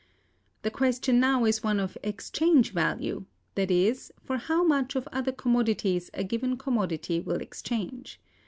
The question now is one of exchange value, that is, for how much of other commodities a given commodity will exchange.